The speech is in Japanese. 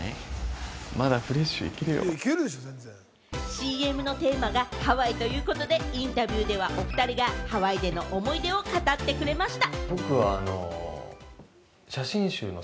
ＣＭのテーマがハワイということで、インタビューではおふたりがハワイでの思い出を語ってくれました。